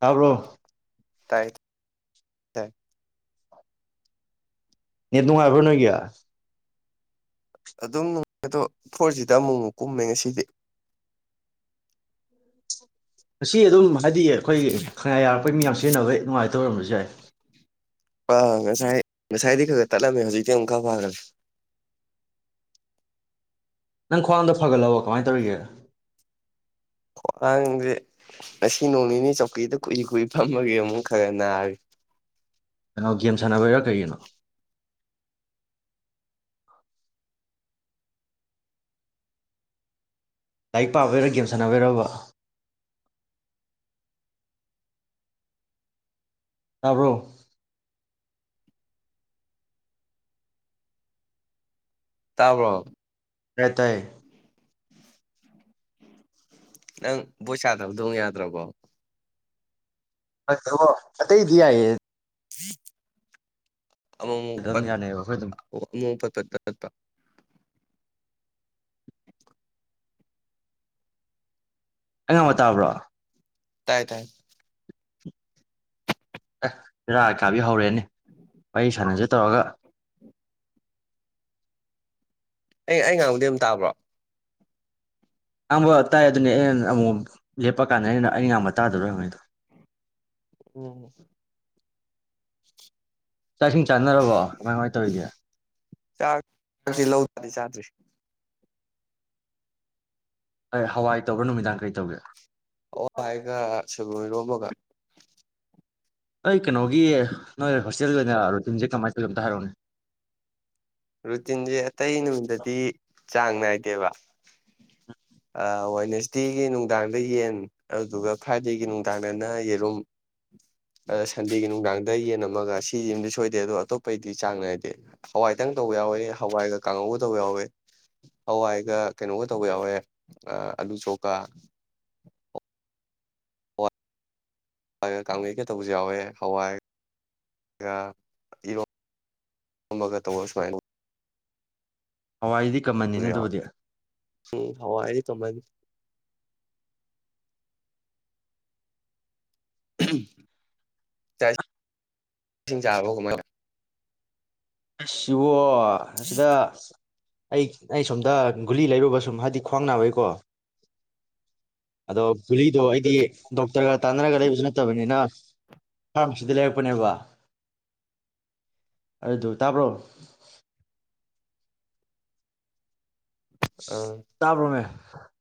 ꯇꯥꯕ꯭ꯔꯣ ꯇꯥꯏ ꯅꯦꯠ ꯅꯨꯡ ꯉꯥꯏꯕ꯭ꯔꯣ ꯅꯣꯏꯒꯤ ꯑꯗꯨꯝꯅꯨꯡꯉ ꯑꯗꯣ ꯐꯣꯔ ꯖꯤꯗ ꯑꯃꯨꯛ ꯑꯃꯨꯛ ꯀꯨꯝꯃꯦ ꯉꯁꯤꯗꯤ ꯉꯁꯤ ꯑꯗꯨꯝ ꯍꯥꯏꯗꯤ ꯑꯩꯈꯣꯏꯒꯤ ꯈꯪꯌꯥ ꯑꯩꯈꯣꯏ ꯃꯤ ꯌꯥꯝ ꯁꯤꯖꯤꯟꯅꯕꯩ ꯅꯨꯡꯉꯥꯏꯇ ꯑꯣꯏꯔꯝꯕꯁꯨ ꯌꯥꯏ ꯑꯥ ꯉꯁꯥꯏ ꯉꯁꯥꯏꯗꯤ ꯈꯔ ꯈꯔ ꯇꯠꯂꯝꯃꯦ ꯍꯧꯖꯤꯛꯇꯤ ꯑꯃꯨꯛ ꯈꯔ ꯐꯈ꯭ꯔꯦ ꯅꯪ ꯈ꯭ꯋꯥꯡꯗ ꯐꯒꯠꯂꯛꯑꯣ ꯀꯃꯥꯏꯅ ꯇꯧꯔꯤꯒꯦ ꯈ꯭ꯋꯥꯥꯡꯁꯦ ꯉꯁꯤ ꯅꯣꯡ ꯅꯤꯅꯤ ꯆꯧꯀꯤꯗ ꯀꯨꯏ ꯀꯨꯏ ꯐꯝꯃꯒꯦ ꯑꯃꯨꯛ ꯈꯔ ꯅꯥꯔꯤ ꯀꯩꯅꯣ ꯒꯦꯝ ꯁꯥꯟꯅꯕꯔꯥ ꯀꯔꯤꯒꯤꯅꯣ ꯂꯥꯏꯔꯤꯛ ꯄꯥꯕꯔꯥ ꯒꯦꯝ ꯁꯥꯟꯅꯕꯤꯔꯕ ꯇꯥꯕ꯭ꯔꯣ ꯇꯥꯕ꯭ꯔꯣ ꯇꯥꯏ ꯇꯥꯏꯌꯦ ꯅꯪ ꯕꯁꯥꯗ꯭ꯔꯥꯗꯣꯡ ꯑꯗ꯭ꯔꯣꯕꯣ [unintelligible] ꯑꯇꯩꯏꯗꯤ ꯌꯥꯏꯑ ꯍ [unintelligible] ꯑꯃꯄꯥ ꯑꯗꯨꯝ ꯌꯥꯅꯩꯑꯕ ꯑꯩꯈꯣꯏ ꯑꯗꯨꯝ ꯑꯃꯄꯥ [unintelligible] ꯑꯩ ꯉꯥꯡꯕ ꯇꯥꯕ꯭ꯔꯣ ꯇꯥꯏ ꯇꯥꯏ ꯑꯦ ꯔꯥ ꯀꯥꯕꯤ ꯍꯧꯔꯦ ꯅꯦ ꯋꯥꯔꯤ ꯁꯥꯟꯅꯁꯦ ꯇꯧꯔꯒ ꯑꯩ ꯑꯩ ꯉꯥꯡꯕꯗꯤ ꯌꯥꯝ ꯇꯥꯕ꯭ꯔꯣ ꯑꯕ ꯇꯥꯏ ꯑꯗꯨꯅꯦ ꯑꯩꯅ ꯑꯃꯨꯛ ꯂꯦꯞꯄ ꯀꯥꯟꯗ ꯑꯩꯅ ꯑꯩꯅ ꯑꯕ ꯇꯥꯗꯔꯣ ꯍꯪꯉꯩꯗꯣ ꯎ ꯆꯥꯛ ꯏꯁꯤꯡ ꯆꯥꯟꯅꯔꯕꯣ ꯀꯃꯥꯏ ꯀꯃꯥꯏ ꯇꯧꯔꯤꯒꯦ ꯍꯟꯗꯛ ꯇꯤ ꯂꯧ ꯎꯗ꯭ꯔꯗꯤ ꯆꯥꯗ꯭ꯔꯦ ꯍꯣꯏ ꯍꯋꯥꯏ ꯇꯧꯕꯔ ꯅꯨꯃꯤꯗꯥꯡ ꯀꯔꯤ ꯇꯧꯒꯦ ꯑꯣ ꯍꯋꯥꯏꯒ ꯁꯔꯣ [inaudible] ꯑꯩ ꯀꯩꯅꯣꯒꯤ ꯅꯣꯏ ꯍꯣꯁꯇꯦꯜꯒꯤ ꯑꯣꯏꯅ ꯂꯥꯛꯔꯨꯅꯦ ꯇꯁꯦ ꯀꯃꯥꯏ ꯇꯂꯝꯇ ꯍꯥꯏꯔꯥꯎꯅꯦ ꯔꯨꯇꯤꯟꯁꯦ ꯑꯇꯩ ꯅꯨꯃꯤꯠꯗꯗꯤ ꯆꯥꯡ ꯅꯥꯏꯗꯦꯕ ꯋꯥꯦꯅꯦꯁꯗꯦꯒꯤ ꯅꯨꯡꯗꯥꯡꯗ ꯌꯦꯟ ꯑꯗꯨꯗꯨ ꯐ꯭ꯔꯥꯏꯗꯦꯒꯤ ꯅꯨꯡꯗꯥꯡꯗꯅ ꯌꯦꯔꯨꯝ ꯑꯗ ꯁꯟꯗꯦꯒꯤ ꯅꯨꯡꯗꯥꯡꯗ ꯌꯦꯟ ꯑꯃꯒ ꯁꯤꯁꯤꯃꯗꯤ ꯁꯣꯏꯗꯦ ꯑꯗꯣ ꯑꯇꯣꯞꯄꯒꯤꯗꯤ ꯆꯥꯡ ꯅꯥꯏꯗꯦ ꯍꯋꯥꯏ ꯈꯤꯇꯪ ꯇꯧꯕ ꯌꯥꯎꯋꯦ ꯍꯋꯥꯏꯒ ꯀꯥꯡꯉꯧꯒ ꯇꯧꯕ ꯌꯥꯎꯋꯦ ꯍꯋꯥꯏꯒ ꯀꯩꯅꯣꯒ ꯇꯧꯕ ꯌꯥꯎꯋꯦ ꯑꯥꯂꯨ ꯆꯣꯛꯀ ꯀꯥꯡꯒꯩꯀ ꯇꯧꯕꯁꯨ ꯌꯥꯎꯋꯦ ꯍꯋꯥꯏꯒ ꯏꯔꯣ ꯑꯃꯒ ꯇꯧꯕꯔ ꯁꯨꯃꯥꯏꯅ ꯍꯋꯥꯏꯗꯤ ꯀꯃꯟꯅꯤꯅꯦ ꯑꯗꯨꯕꯨꯗꯤ ꯍꯋꯥꯏ ꯇꯨꯝꯃꯅꯤ ꯆꯛ ꯏꯁꯤꯡ ꯆꯥꯔꯕꯣ ꯀꯃꯥꯏ ꯁꯤꯁ ꯏꯕꯣ ꯑꯁꯤꯗ ꯑꯩ ꯑꯩ ꯁꯣꯝꯗ ꯒꯨꯂꯤ ꯂꯩꯔꯨꯕ ꯁꯨꯝ ꯍꯥꯏꯕꯗꯤ ꯈ꯭ꯋꯥꯡ ꯅꯥꯕꯩꯀꯣ ꯑꯗꯣ ꯒꯨꯂꯤꯗꯣ ꯑꯩꯗꯤ ꯗꯣꯛꯇꯔꯒ ꯇꯥꯟꯅꯔꯒ ꯂꯩꯕꯁꯨ ꯅꯠꯇꯕꯅꯤꯅ ꯐꯥꯔꯃꯥꯁꯤꯗ ꯂꯩꯔꯛꯄꯅꯦꯕ ꯑꯗꯨ ꯇꯥꯕ꯭ꯔꯣ [inaudible] ꯇꯥꯕ꯭ꯔꯃꯦ ꯍ [unintelligible]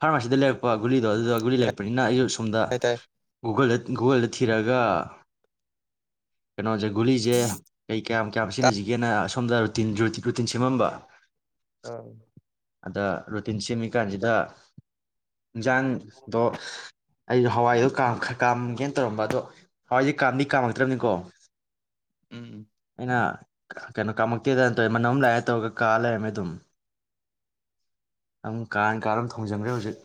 ꯐꯥꯔꯃꯥꯁꯤꯗ ꯂꯩꯔꯛꯄ ꯒꯨꯂꯤꯗꯣ ꯑꯗꯨꯗ ꯒꯨꯂꯤ ꯇꯥꯏ ꯂꯩꯔꯛꯄꯅꯤꯅ ꯑꯩ ꯁꯣꯝꯗ ꯇꯥꯏ ꯒꯨꯒꯜꯗꯥ ꯒꯨꯒꯣꯜꯗ ꯊꯤꯔꯒ ꯀꯩꯅꯣꯁꯦ ꯒꯨꯂꯤꯁꯦ ꯀꯩ ꯀꯌꯥꯝ ꯀꯌꯥꯝ ꯇꯥꯏ ꯁꯤꯖꯤꯟꯁꯤꯒꯦꯅ ꯁꯣꯝꯗꯥ ꯔꯨꯇꯤꯜ ꯖꯨꯇꯤ ꯀꯨꯇꯤ ꯁꯦꯝꯃꯝꯕ ꯑꯥ ꯑꯗꯥ ꯔꯨꯇꯤꯟ ꯁꯦꯝꯃꯤ ꯀꯥꯟꯁꯤꯗ ꯍꯤꯡꯖꯥꯡꯗꯣ ꯑꯩꯁꯨ ꯍꯋꯥꯏꯗꯣ ꯀꯥꯝꯒꯦꯅ ꯇꯧꯔꯝꯕ ꯑꯗꯣ ꯍꯋꯥꯏꯁꯦ ꯀꯥꯝꯗꯤ ꯀꯥꯝꯃꯛꯇ꯭ꯔꯕꯅꯤꯀꯣ ꯎꯝ ꯑꯩꯅ ꯀꯩꯅꯣ ꯀꯥꯃꯛꯇꯦꯗꯅ ꯇꯧꯋꯦ ꯃꯅꯝ ꯂꯥꯛꯑꯦ ꯇꯧꯔꯒ ꯀꯥ ꯂꯩꯔꯝꯃꯦ ꯑꯗꯨꯝꯝ ꯀꯥ ꯀꯥ ꯊꯣꯡꯖꯟꯈ꯭ꯔꯦ ꯍꯧꯖꯤꯛ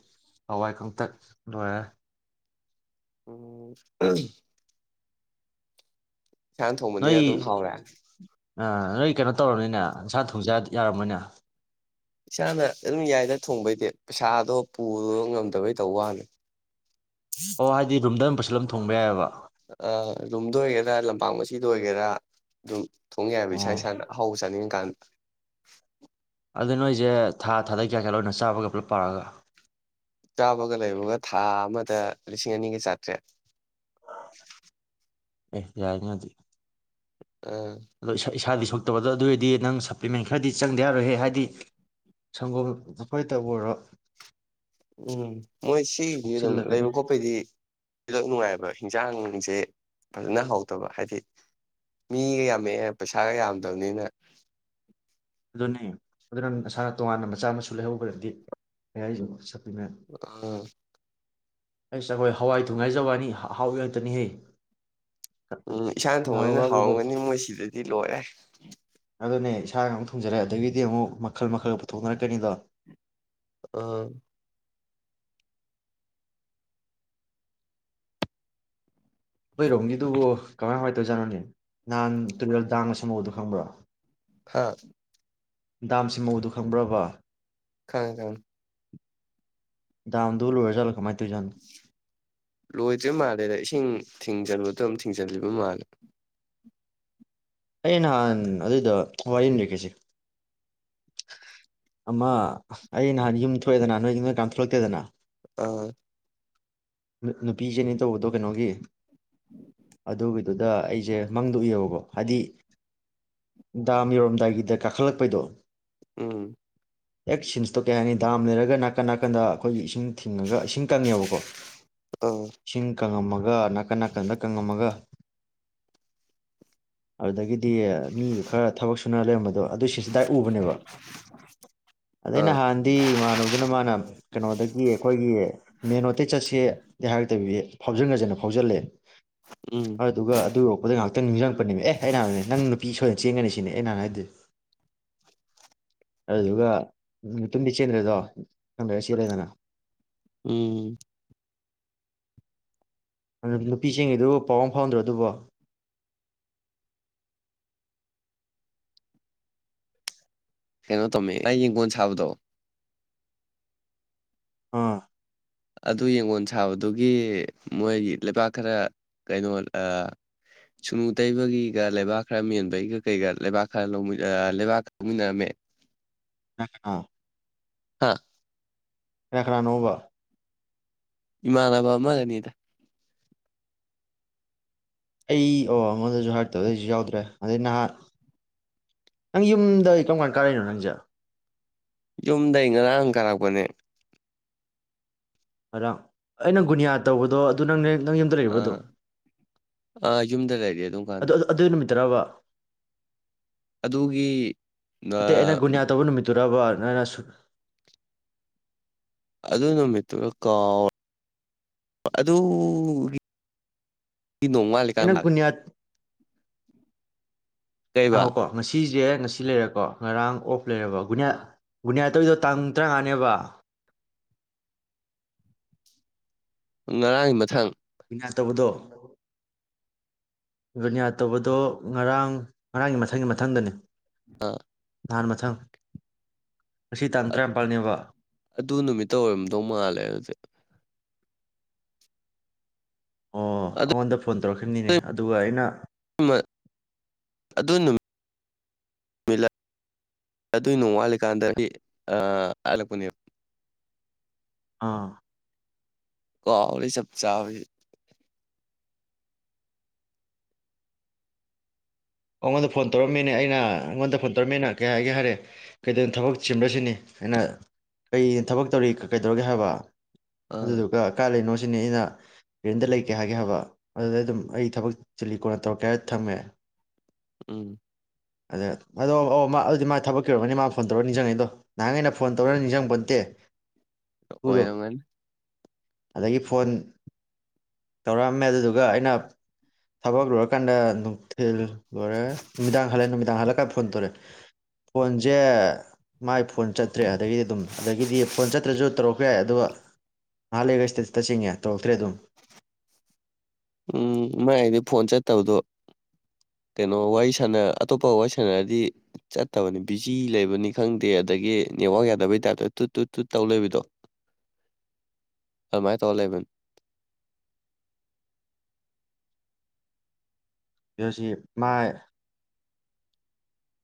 ꯍꯋꯥꯏ ꯀꯪꯇꯛ ꯂꯣꯏꯔꯦ ꯎꯝ ꯏꯁꯥꯅꯥ ꯊꯣꯡꯕꯅꯤꯅ ꯅꯣꯏ ꯑꯗꯨꯝ ꯍꯥꯎꯔꯦ ꯅꯣꯏ ꯀꯩꯅꯣ ꯇꯧꯔꯕꯅꯤꯅꯦ ꯅꯁꯥꯅ ꯊꯣꯡꯖꯥ ꯌꯥꯔꯝꯃꯣꯏꯅꯦ ꯏꯁꯥꯅ ꯑꯗꯨꯝ ꯌꯥꯏꯅ ꯊꯣꯡꯕꯩꯗꯤ ꯄꯩꯁꯥꯗꯣ ꯄꯨꯗꯣ ꯉꯝꯗꯕꯩ ꯇꯧꯕ ꯋꯥꯅꯤ ꯍꯣ ꯍꯥꯏꯗꯤ ꯔꯨꯝꯗ ꯐꯤꯂꯝ ꯊꯣꯡꯕ ꯌꯥꯏꯑꯦꯕ ꯑ ꯔꯨꯝꯗ ꯑꯣꯏꯒꯦꯔꯥ ꯂꯝꯄꯥꯛ ꯃꯆꯤꯗ ꯑꯣꯏꯒꯦꯔꯥ ꯑꯗꯨꯝ ꯊꯣꯡ ꯌꯥꯏꯕ ꯑꯣ ꯏꯁꯥ ꯏꯁꯥꯅ ꯍꯧꯕ ꯆꯥꯅꯤꯡꯕ ꯀꯥꯟꯗ [unintelligible] ꯑꯗꯨꯗ ꯅꯣꯏꯁꯦ ꯊꯥ ꯊꯥꯗꯩ ꯀꯌꯥ ꯀꯌꯥ ꯂꯣꯏꯅ ꯆꯥꯕꯒ ꯄꯨꯂꯞ ꯄꯥꯔꯒ ꯆꯥꯕꯒ ꯂꯩꯕꯒ ꯊꯥ ꯑꯃꯗ ꯂꯤꯁꯤꯡ ꯑꯅꯤꯒ ꯆꯥꯇ꯭ꯔꯦꯠ ꯑꯦ ꯌꯥꯏꯅꯑꯗꯤ ꯑ ꯑꯗꯨ ꯏꯁꯥꯗꯤ ꯊꯣꯛꯇꯕꯗꯣ ꯑꯗꯨ ꯑꯣꯏꯔꯗꯤ ꯅꯪ ꯁꯄ꯭ꯂꯤꯃꯦꯟ ꯈꯔꯗꯤ ꯆꯪꯗꯤ ꯌꯥꯔꯣꯏꯍꯦ ꯍꯥꯏꯗꯤ ꯁꯪꯒꯣꯝ ꯐꯣꯏꯇꯕꯨ ꯑꯣꯏꯔꯣ ꯎꯝ ꯃꯣꯏ ꯁꯤꯒꯤꯗꯤ ꯑꯗꯨꯝ ꯁꯣꯛꯆꯤꯜꯂꯛꯀꯅꯤ ꯂꯩꯕ ꯈꯣꯠꯄꯩꯗꯤ ꯅꯨꯡꯉꯥꯏꯕ ꯍꯤꯟꯁꯥꯡꯁꯦ ꯐꯖꯅ ꯍꯧꯗꯕ ꯍꯥꯏꯗꯤ ꯃꯤꯒ ꯌꯥꯝꯃꯛꯑꯦ ꯄꯩꯁꯥꯒ ꯌꯥꯝꯗꯕꯅꯤꯅ ꯑꯗꯨꯅꯦ ꯑꯗꯨꯅ ꯅꯁꯥꯅ ꯇꯣꯉꯥꯟꯅ ꯃꯆꯥ ꯃꯁꯨ ꯂꯩꯍꯧꯕ꯭ꯔꯗꯤ ꯍꯥꯌꯥꯏꯁꯨ ꯑꯝ ꯑꯩꯁ ꯑꯩꯈꯣꯏ ꯍꯋꯥꯏ ꯊꯣꯉꯤ ꯍꯥꯏꯖꯕ ꯋꯥꯅꯤ ꯑꯍ ꯧꯕꯤ ꯉꯀꯇꯅꯤꯍꯦ ꯎꯝ ꯏꯁꯥꯅ ꯊꯣꯡꯕꯅꯤꯅ ꯍꯥꯎꯔꯝꯒꯅꯤ ꯃꯣꯏ ꯁꯤꯗꯗꯤ ꯂꯣꯏꯔꯦ ꯑꯗꯨꯅꯦ ꯏꯁꯥꯅ ꯑꯃꯨꯛ ꯊꯣꯡꯖꯔꯦ ꯑꯗꯨꯗꯒꯤꯗꯤ ꯑꯃꯨꯛ ꯃꯈꯜ ꯃꯈꯜ ꯄꯨꯊꯅꯔꯛ ꯀꯥꯅꯤꯅꯣ ꯑꯥ ꯅꯣꯏ ꯔꯣꯡꯒꯤꯗꯨꯕꯨ ꯀꯃꯥꯏ ꯀꯃꯥꯏ ꯇꯧꯔꯤꯖꯥꯠꯅꯣꯅꯦ ꯅꯍꯥꯟ ꯇꯨꯨꯔꯦꯜ ꯇꯥꯡꯅ ꯁꯝꯃꯨꯕꯗꯨ ꯈꯪꯕ꯭ꯔꯥ? ꯍꯥꯥ ꯗꯥꯝꯁꯤ ꯃꯧꯗꯨ ꯈꯪꯕ꯭ꯔꯕ ꯈꯪꯏ ꯈꯪꯏ ꯗꯥꯝꯗꯣ ꯂꫭꯏꯔ ꯖꯥꯠꯂꯣ ꯀꯃꯥꯏ ꯂꯣꯏꯗ꯭ꯔꯤ ꯃꯥꯜꯂꯦꯗ ꯏꯁꯤꯡ ꯊꯤꯡꯖꯟꯕꯗꯣ ꯑꯗꯨꯝ ꯊꯤꯡꯖꯤꯜꯂꯤꯕ ꯃꯥꯜꯂꯦ ꯑꯩ ꯅꯍꯥꯟ ꯑꯗꯨꯗ ꯋꯥꯔꯤ ꯑꯝ ꯂꯤꯔꯛꯀꯦꯁꯦ ꯑꯃ ꯑꯩ ꯅꯍꯥꯟ ꯌꯨꯝ ꯊꯣꯛꯑꯦꯗꯅ ꯅꯣꯏꯅꯤꯅ ꯀꯅꯥꯝ ꯊꯣꯛꯂꯛꯇꯦꯗꯅ ꯑ ꯅꯨꯄꯤꯁꯦꯅꯦ ꯇꯧꯕꯗꯣ ꯀꯩꯅꯣꯒꯤ ꯑꯗꯨꯒꯤꯗꯨꯗ ꯑꯩꯁꯦ ꯃꯪꯗ ꯎꯏꯑꯕꯀꯣ ꯍꯥꯏꯗꯤ ꯗꯥꯝ ꯌꯧꯔꯝꯗꯥꯏꯒꯤꯗ ꯀꯥꯈꯠꯂꯛꯄꯩꯗꯣ ꯎꯝ ꯍꯦꯛ ꯁꯤꯟꯁꯇꯣ ꯀꯩ ꯍꯥꯏꯅꯤ ꯗꯥꯝ ꯂꯩꯔꯒ ꯅꯥꯀꯟ ꯅꯥꯀꯟꯗ ꯑꯩꯈꯣꯏꯒꯤ ꯏꯁꯤꯡ ꯊꯤꯡꯉꯒ ꯏꯁꯤꯡ ꯀꯪꯉꯦꯕꯀꯣ ꯑꯥ ꯏꯁꯤꯡ ꯀꯪꯉꯝꯃꯒ ꯅꯥꯀꯟ ꯅꯥꯀꯟꯗ ꯀꯪꯉꯝꯃꯒ ꯑꯗꯨꯗꯒꯤ ꯗꯦ ꯃꯤꯒ ꯈꯔ ꯊꯕꯛ ꯁꯨꯅ ꯂꯩꯔꯝꯕꯗꯣ ꯑꯗꯨ ꯁꯤꯁꯤ ꯗꯥꯏꯔꯦꯛ ꯎꯕꯅꯦꯕ ꯑꯗꯩ ꯑꯥ ꯅꯍꯥꯟꯗꯤ ꯏꯃꯥꯟꯅꯕꯗꯨꯅ ꯃꯥꯥꯅ ꯀꯩꯅꯣꯗꯒꯤ ꯑꯈꯣꯏꯒꯤ ꯃꯦꯟ ꯑꯣꯇꯩ ꯆꯠꯁꯦ ꯗꯦ ꯍꯥꯏꯔꯛꯇꯕꯒꯤ ꯐꯥꯎꯖꯤꯟꯈ꯭ꯔꯖꯦꯅ ꯐꯥꯎꯖꯤꯜꯂꯦ ꯎꯝ ꯍ ꯑꯗꯨꯒ ꯑꯗꯨ ꯍꫭꯔꯦꯟ ꯉꯍꯥꯛꯇꯪꯗ ꯅꯤꯡꯁꯤꯡꯔꯛꯄꯅꯦꯃꯤ ꯑꯦ ꯑꯩꯅ ꯍꯥꯏꯕꯅꯦꯃꯤ ꯅꯪ ꯅꯨꯄꯤ ꯁꯣꯏꯗꯅ ꯆꯦꯟꯒꯅꯤ ꯁꯤ [unintelligible] ꯑꯦꯅꯥꯍꯥꯏꯗꯨ ꯑꯗꯨꯗꯨꯒ ꯃꯨꯇꯨꯝꯗꯤ ꯆꯦꯟꯒ꯭ꯔꯖꯥꯠꯂꫭ ꯊꯪꯗ ꯑꯩ ꯆꯦꯜꯂꯦꯗꯅ ꯎꯝ ꯑ ꯅꯨꯄꯤꯆꯦꯟꯒꯤꯕꯗꯨꯕꯨ ꯄꯥꯎ ꯑꯝ ꯐꯥꯎꯅꯗ꯭ꯔꯣ ꯑꯗꯨꯕꫭ ꯀꯩꯅꯣ ꯇꯝꯃꯦ ꯑꯩ ꯌꯦꯡꯒꯣꯟ ꯁꯥꯕꯗꯣ ꯑꯥ ꯑꯗꯨ ꯌꯦꯡꯉꯣꯟ ꯁꯥꯕꯗꯨꯒꯤ ꯃꯣꯏꯒꯤ ꯂꯩꯕꯥꯛ ꯈꯔ ꯀꯩꯅꯣ ꯑꯥ ꯁꯨꯅꯨ ꯇꯩꯕꯒꯤꯒ ꯂꯩꯕꯥꯛ ꯈꯔ ꯃꯦꯟꯕꯩꯒ ꯀꯩꯒ ꯂꯩꯕꯥꯛ ꯈꯔ ꯂꯧꯃꯤꯟ ꯑꯥ ꯂꯩꯕꯥꯛ ꯂꯧꯃꯤꯟꯅꯔꯝꯃꯦ꯫ [unintelligible] ꯍꯥꯥ ꯀꯅꯥ ꯀꯅꯥ ꯅꯣꯕꯥ ꯏꯃꯟꯅꯕ ꯑꯃꯒꯅꯤꯗ ꯑꯩ ꯑꯣ ꯑꯃꯗꯁꯨ ꯍꯥꯔꯠꯇꯁꯨ ꯑꯩꯖꯨ ꯌꯥꯎꯗ꯭ꯔꯦ ꯑꯗꯩ ꯅꯍꯥꯛ ꯅꯪ ꯌꯨꯝꯗꯩ ꯀꯔꯝ ꯀꯥꯟ ꯀꯥꯔꯛꯏꯅꫭ ꯅꯪꯖꯦ ꯌꯨꯝꯗꯒꯤꯩ ꯉꯔꯥꯡ ꯀꯥꯔꯛꯄꯅꯦ ꯑꯗ ꯑꯩꯅ ꯒꯨꯅꯤꯌꯥ ꯇꯧꯕꯗꯣ ꯑꯗꯨ ꯅꯪꯅꯦ ꯑꯥ ꯑꯥ ꯌꯨꯝꯗ ꯂꯩꯔꯤ ꯑꯗꯨꯝ ꯀꯥꯟꯗ ꯇꯦꯔꯥꯕꯥ ꯑꯗꯨꯒꯤ ꯅ ꯑꯝ ꯗꯨꯔꯥꯕꯥ ꯅꯪꯅꯁꯨ ꯑꯗꯨ ꯅꯨꯃꯤꯠꯇꯨꯔꯥ ꯀꯥꯎ ꯏ ꯅꯣꯡꯋꯥꯠꯂꯤ ꯀꯥꯟ ꯑꯩꯅ ꯃꯥꯜꯂꯦ ꯒꯨꯅꯤꯌꯥ ꯀꯩꯕ ꯇꯥꯎꯀꯣ ꯉꯁꯤꯁꯦ ꯉꯁꯤ ꯂꯩꯔꯦꯀꯣ ꯉꯔꯥꯡ ꯑꯣꯐ ꯂꯩꯔꯕꯌꯥ ꯒꯨꯅꯤꯌꯥ ꯇꯧꯔꯤꯗꯣ ꯇꯥꯡ ꯇꯔꯥꯃꯉꯥꯅꯦꯕ ꯉꯔꯥꯡꯒꯤ ꯃꯊꯪ ꯌꯥꯠ ꯇꯧꯕꯗꯣ ꯅꯤꯌꯥꯠ ꯇꯧꯕꯗꯣ ꯉꯔꯥꯡ ꯉꯔꯥꯡꯒꯤ ꯃꯊꯪꯒꯤ ꯃꯊꯪꯗꯅꯦ ꯑ ꯅꯍꯥꯟ ꯃꯊꯪ ꯉꯁꯤ ꯇꯥꯡ ꯇꯔꯥꯅꯤꯄꯥꯜꯅꯦꯕ ꯑꯗꯨ ꯅꯨꯃꯤꯠꯇ ꯑꯣꯏꯔꯝꯗꯧ ꯃꯥꯜꯂꯦ ꯑꯗꯨꯗꯤ ꯑꯣ ꯑꯗꯨ ꯑꯩꯉꯣꯟꯗ ꯐꯣꯟ ꯇꯧꯔꯛ ꯐꯨꯝꯅꯤꯅꯦ ꯑꯗꯨꯒ ꯑꯩꯅ ꯑꯗꯨ ꯑꯗꯨꯏ ꯅꯨꯃꯤꯠ ꯑꯗꯨꯏ ꯅꯣꯡꯃ ꯋꯥꯠꯂꯤꯀꯥꯟꯗꯒꯤ ꯍꯜꯂꯛꯄꯅꯦꯕ ꯑꯥ ꯀꯥꯎꯔꯦ ꯆꯞ ꯆꯥꯕꯗꯤ ꯑꯩꯉꯣꯟꯗ ꯐꯣꯟ ꯇꯧꯔꯝꯃꯤꯅꯦ ꯑꯩꯅ ꯑꯩꯉꯣꯟꯗ ꯐꯣꯟ ꯇꯧꯔꯝꯃꯤꯅ ꯀꯩ ꯍꯥꯏꯒꯦ ꯍꯥꯏꯔꯦ ꯀꯩꯗꯧꯔꯤꯅꯣ ꯊꯕꯛ ꯆꯤꯟꯕꯔꯁꯤꯅꯤ ꯑꯩꯅ ꯑꯩ ꯊꯕꯛ ꯇꯧꯔꯤ ꯀꯩꯗꯧꯔꯒꯦ ꯍꯥꯏꯕ ꯑꯥ ꯑꯗꯨꯗꯨꯒ ꯀꯥꯏ ꯂꯩꯔꯤꯅꯣ ꯑꯗ ꯑꯩꯅ ꯔꯦꯟꯗ ꯂꯩ ꯀꯩ ꯍꯥꯏꯒꯦ ꯍꯥꯏꯕ ꯑꯗꯨꯗ ꯑꯗꯨꯝ ꯑꯩ ꯊꯕꯛ ꯆꯤꯜꯂꯤ ꯀꯣꯟꯅ ꯇꯧꯔꯛꯀꯦ ꯍꯥꯏꯔꯒ ꯊꯝꯃꯦ ꯎꯝ ꯑꯗ ꯑꯗꯣ ꯑꯣ ꯃꯥ ꯊꯕꯛꯀꯤ ꯑꯣꯏꯔꯝꯃꯅꯤ ꯃꯥꯅ ꯐꯣꯟ ꯇꯧꯔꯛꯑꯒ ꯅꯤꯡꯁꯤꯡꯉꯛꯏꯗꯣ ꯅꯍꯥꯟ ꯒꯩꯅ ꯐꯣꯟ ꯇꯧꯔꯛꯑꯒ ꯅꯤꯡꯁꯤꯡꯄꯣꯠꯇꯦ ꯑꯣꯏꯔꯉꯝꯃꯅꯤ ꯑꯗꯒꯤ ꯐꯣꯟ ꯇꯧꯔꯛꯑꯝꯃꯦ ꯑꯗꯨꯗꯨꯒ ꯑꯩꯅ ꯊꯕꯛ ꯂꯨꯔꯀꯥꯟꯗ ꯑꯗꯨ ꯊꯤꯂꯨ ꯂꯣꯏꯔꯦ ꯅꯨꯃꯤꯗꯥꯡ ꯍꯜꯂꯛꯑꯦ ꯅꯨꯃꯤꯗꯥꯡ ꯍꯜꯂꯛꯀꯥꯟ ꯐꯣꯟ ꯇꯧꯔꯦ ꯐꯣꯟꯁꯦ ꯃꯥꯏ ꯐꯣꯟ ꯆꯠꯇ꯭ꯔꯦ ꯑꯗꯒꯤꯗꯤ ꯑꯗꯨꯝ ꯑꯗꯒꯤꯗꯤ ꯐꯣꯟ ꯆꯠꯇ꯭ꯔꯁꯨ ꯇꯧꯔꯛꯄ ꯌꯥꯏ ꯑꯗꯨꯒ ꯉꯥꯏꯍꯛ ꯂꯩꯔꯒ ꯁꯇꯦꯇꯁ ꯌꯦꯡꯉꯦ ꯇꯧꯔꯛꯇꯔ꯭ꯦ ꯑꯗꯨꯝ ꯎꯝ ꯃꯥꯏꯗꯤ ꯐꯣꯟ ꯆꯠꯇꯕꯗꯣ ꯀꯩꯅꯣ ꯋꯥꯔꯤ ꯁꯥꯟꯅꯔ ꯑꯇꯇꯣꯄꯒ ꯋꯥꯔꯤ ꯁꯥꯟꯅꯔꯗꯤ ꯆꯠꯇꯕꯅꯦ ꯕꯤꯖꯤ ꯂꯩꯕꯅꯤ ꯈꯪꯗꯦ ꯑꯗꯒꯤ ꯅꯦꯠꯋꯥꯔꯀ ꯌꯥꯗꯕꯒꯤ ꯇꯥꯏꯞꯇ ꯇꯨꯠ ꯇꯨꯠ ꯇꯨꯠ ꯇꯧꯔꯒ ꯂꯩꯕꯗꯣ ꯑꯗꯨꯃꯥꯏ ꯇꯧꯔꯒ ꯂꯩꯕꯅꯦ ꯄꯁꯤ ꯃꯥꯥꯏ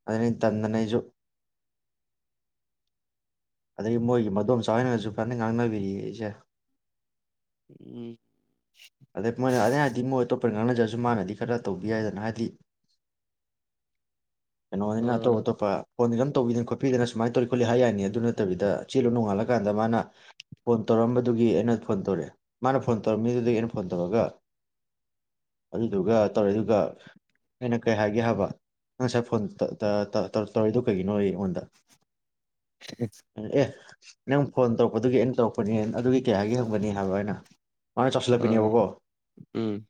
ꯑꯗꯩꯩ ꯇꯟꯗꯅ ꯑꯩꯁꯨ ꯑꯗꯩꯩꯒꯤ ꯃꯣꯏꯒꯤ ꯃꯗꯣꯝꯆꯥ ꯍꯣꯏꯅꯁꯨ ꯐꯅ ꯉꯥꯡꯅꯕꯤꯔꯤ ꯑꯩꯁꯦ ꯎꯝ ꯑꯗꯩꯩ ꯃꯣꯏꯅ ꯑꯩꯅ ꯍꯥꯏꯗꯤ ꯃꯣꯏꯗꯣ ꯉꯥꯡꯅꯖꯔꯁꯨ ꯃꯥꯅꯗꯤ ꯈꯔ ꯇꯧꯕꯤ ꯌꯥꯏꯗꯅ ꯍꯥꯏꯗꯤ ꯀꯩꯅꯣ ꯍꯣꯏꯅ ꯑꯠꯇꯣꯞ ꯑꯥ ꯑꯠꯇꯣꯄ ꯐꯣꯟꯗꯤ ꯑꯗꯨꯝ ꯇꯧꯕꯤꯗꯅ ꯈꯣꯠꯄꯤꯗꯅ ꯁꯨꯃꯥꯏꯅ ꯇꯧꯔꯤ ꯈꯣꯠꯂꯤ ꯍꯥꯏ ꯌꯥꯏꯅꯤ ꯑꯗꯨ ꯅꯠꯇꯕꯤꯗ ꯆꯦꯜꯂꯨ ꯅꯣꯡꯉꯥꯜꯂ ꯀꯥꯟꯗ ꯃꯥꯅ ꯐꯣꯟ ꯇꯧꯔꯝꯕꯗꯨꯒꯤ ꯑꯩꯅ ꯐꯣꯟ ꯇꯧꯔꯛꯑꯦ ꯃꯥꯅ ꯐꯣꯟ ꯇꯧꯔꯝꯃꯤꯗꯨꯗꯒꯤ ꯑꯩꯅ ꯐꯣꯟ ꯇꯧꯔꯒ ꯑꯗꯨꯗꯨꯒ ꯇꯧꯔꯦꯗꯨꯒ ꯑꯩꯅ ꯀꯩ ꯍꯥꯏꯒꯦ ꯍꯥꯏꯕ ꯉꯁꯥꯏ ꯐꯣꯟ ꯇꯧꯔꯛꯏꯗꯣ ꯀꯩꯒꯤꯅꯣꯌꯦ ꯑꯩꯉꯣꯟꯗ ꯑꯦ ꯅꯪ ꯐꯣꯟ ꯇꯧꯔꯛꯄꯗꯨꯒꯤ ꯑꯩꯅ ꯇꯧꯔꯛꯄꯅꯤ ꯑꯗꯨꯒꯤ ꯀꯩ ꯍꯥꯏꯒꯦ ꯍꯪꯕꯅꯤ ꯍꯥꯏꯕ ꯑꯩꯅ ꯃꯥꯅ ꯑ ꯆꯥꯎꯁꯤꯜꯂꯛꯄꯤꯅꯦꯕꯀꯣ ꯎꯝ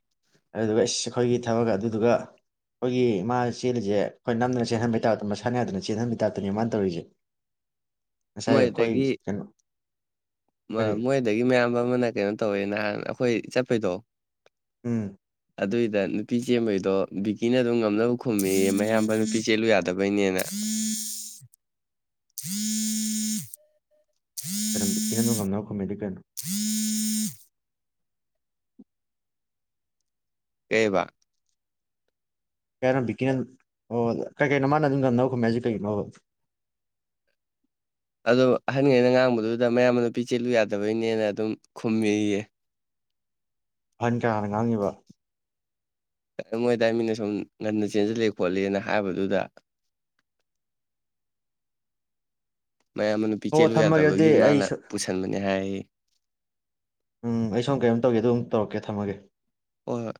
ꯑꯗꯨꯗꯨꯒ ꯏꯁꯁ ꯑꯩꯈꯣꯏꯒꯤ ꯊꯕꯛꯀ ꯑꯗꯨꯗꯨꯒ ꯑꯩꯈꯣꯏꯒꯤ ꯃꯥ ꯆꯦꯜꯂꯤꯁꯦ ꯑꯩꯈꯣꯏ ꯅꯝꯗꯅ ꯆꯦꯟꯍꯟꯕꯩ ꯇꯥꯏꯞꯇ ꯃꯁꯥꯅ ꯌꯥꯗꯅ ꯆꯦꯟꯍꯟꯕꯩ ꯇꯥꯏꯞꯇꯅꯦ ꯃꯥꯅ ꯇꯧꯔꯤꯁꯦ ꯉꯁꯥꯏ ꯃꯣꯏ ꯑꯩꯈꯣꯏ ꯑꯗꯒꯤ ꯀꯩꯅꯣ ꯀꯔꯤ ꯃꯣꯏꯗꯒꯤ ꯃꯌꯥꯝꯕ ꯑꯃꯅ ꯀꯩꯅꯣ ꯇꯧꯋꯦꯅ ꯍꯥꯏꯕꯅꯦ ꯑꯩꯈꯣꯏ ꯄꯩꯗꯣ ꯎꯝ ꯑꯗꯨꯏꯗ ꯅꯨꯄꯤ ꯆꯦꯟꯕꯩꯗꯣ ꯕꯤꯀꯤꯅ ꯑꯗꯨꯝ ꯉꯝꯅꯕ ꯈꯨꯝꯃꯤꯌꯦ ꯃꯌꯥꯝꯕ ꯅꯨꯄꯤ ꯆꯦꯜꯂꯨ ꯌꯥꯗꯕꯩꯅꯦꯅ ꯀꯔꯝ ꯕꯤꯀꯤꯅ ꯑꯗꯨꯝ ꯉꯝꯅꯕ ꯈꯨꯝꯃꯦꯗꯤ ꯀꯩꯅꯣ ꯀꯩꯕꯥ ꯀꯩ ꯍꯥꯏꯅꯣ ꯕꯤꯀꯤꯅꯥ ꯀꯩ ꯀꯩꯅꯣ ꯃꯥꯅ ꯉꯝꯅꯕ ꯑꯗꯨꯝ ꯈꯨꯝꯃꯦ ꯍꯥꯏꯁꯦ ꯀꯩꯅꯣꯕ ꯑꯗꯣ ꯑꯍꯟꯉꯩꯅ ꯉꯥꯡꯕꯗꯨꯗ ꯃꯌꯥꯝ ꯑꯗꯨ ꯅꯨꯄꯤ ꯆꯦꯠꯂꯨ ꯌꯥꯗꯕꯩꯅꯦꯅ ꯑꯗꯨꯝ ꯈꯨꯝꯃꯤꯌꯦ ꯑꯍꯟ ꯀꯅꯥꯅ ꯉꯥꯡꯉꯤꯕ ꯃꯣꯏ ꯑꯗꯥꯏ ꯃꯤꯅ ꯁꯨꯝ ꯉꯟꯅ ꯆꯦꯟꯁꯤꯜꯂꯦ ꯈꯣꯠꯂꯦꯅ ꯍꯥꯏꯕꯗꯨꯗ ꯃꯌꯥꯝꯕ ꯅꯨꯄꯤ ꯍꯣ ꯆꯦꯜꯂꯨ ꯊꯝꯃꯒꯦ ꯑꯗꯨꯗꯤ ꯌꯥꯗꯕꯒꯤ ꯑꯩ ꯃꯥꯅ ꯁꯣ- ꯄꯨꯁꯟꯕꯅꯦ ꯍꯥꯏꯌꯦꯌꯦ ꯎꯝ ꯑꯩ ꯁꯣꯝ ꯀꯩꯅꯣꯝ ꯇꯧꯒꯦ ꯑꯗꯨꯒ ꯑꯃꯨꯛ ꯇꯧꯔꯛꯀꯦ ꯊꯝꯃꯒꯦ ꯍꯣꯏ ꯍꯣꯏ